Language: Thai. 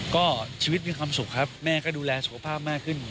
ก็ชีวิตมีความสุขครับแม่ก็ดูแลสุขภาพมากขึ้น